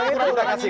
ini kau punya orang